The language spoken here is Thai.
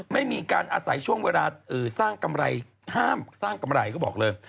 ไม่มีการอาศัยช่วงเวลาสร้างกำไรห้ามสร้างกำไรก็บอกเลย